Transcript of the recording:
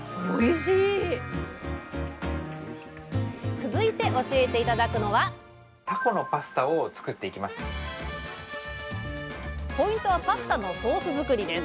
続いて教えて頂くのはポイントはパスタのソース作りです。